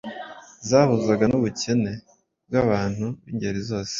zahuzaga n’ubukene bw’abantu b’ingeri zose,